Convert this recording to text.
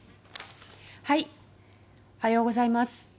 おはようございます。